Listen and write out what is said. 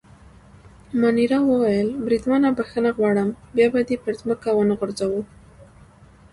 مانیرا وویل: بریدمنه بخښنه غواړم، بیا به دي پر مځکه ونه غورځوو.